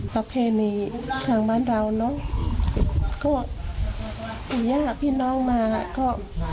ประเพณีทางบ้านเราเนอะก็คุณย่าพี่น้องมาก็